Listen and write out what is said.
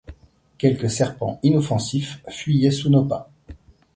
Quelques serpents inoffensifs fuyaient sous nos pas.